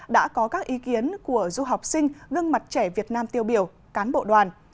đã có các ý kiến của du học sinh gương mặt trẻ việt nam tiêu biểu cán bộ đoàn